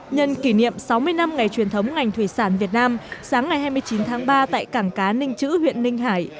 nhân kỷ niệm sáu mươi năm ngày truyền thống ngành thủy sản việt nam sáng ngày hai mươi chín tháng ba tại cảng cá ninh chữ huyện ninh hải